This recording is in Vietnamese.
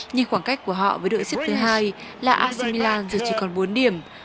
nhưng khoảng cách của họ với đội xếp thứ hai là ac milan giờ chỉ còn bốn điểm